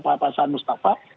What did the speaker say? pak san mustafa